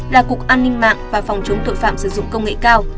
là cục an ninh mạng và phòng chống tội phạm sử dụng công nghệ cao